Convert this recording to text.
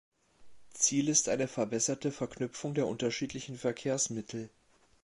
Ziel ist eine verbesserte Verknüpfung der unterschiedlichen Verkehrsmittel.